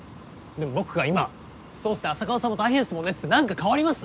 でも僕が今そうっすね浅川さんも大変っすもんねつって何か変わります？